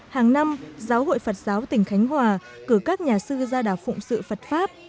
hàng năm giáo hội phật giáo tỉnh khánh hòa cử các nhà sư ra đảo phụng sự phật pháp